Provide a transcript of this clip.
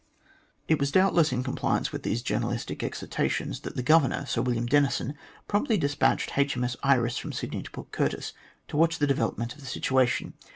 It was doubtless in compliance with these journalistic ex hortations that the Governor, Sir "William Denison, promptly despatched H.M.S. Iris from Sydney to Port Curtis to watch the development of the situation.